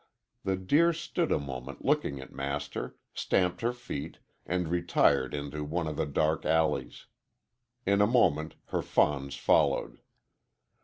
The deer stood a moment looking at Master, stamped her feet, and retired into one of the dark alleys. In a moment her fawns followed.